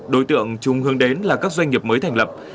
đối tượng trung hướng đến là các doanh nghiệp mới thành lập